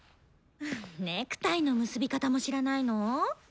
ネクタイの結び方も知らないの？